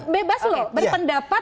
kita bebas loh berpendapat